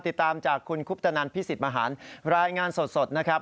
ติดตามจากคุณคุปตนันพิสิทธิ์มหันรายงานสดนะครับ